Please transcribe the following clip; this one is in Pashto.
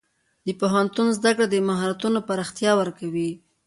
د پوهنتون زده کړه د مهارتونو پراختیا ورکوي.